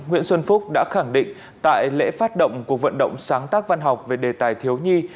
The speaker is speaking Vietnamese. nguyễn xuân phúc đã khẳng định tại lễ phát động cuộc vận động sáng tác văn học về đề tài thiếu nhi